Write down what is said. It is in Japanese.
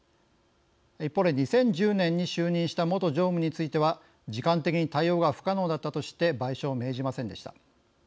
一方で、２０１０年に就任した元常務については時間的に対応が不可能だったとして賠償を命じませんでした。